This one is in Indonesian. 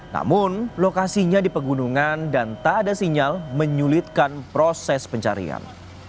namun lokasinya di pegunungan dan tak ada sinyal menyulitkan proses pencarian